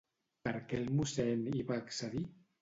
Per què el mossèn hi va accedir?